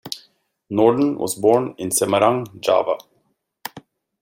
Norden was born in Semarang, Java.